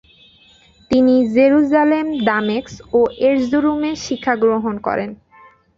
তিনি জেরুজালেম, দামেস্ক ও এরজুরুমে শিক্ষা গ্রহণ করেন।